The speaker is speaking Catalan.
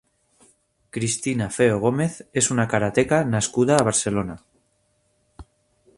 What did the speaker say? Cristina Feo Gomez és una karateka nascuda a Barcelona.